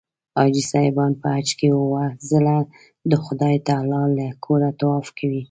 حاجي صاحبان په حج کې اووه ځله د خدای تعلی له کوره طواف کوي.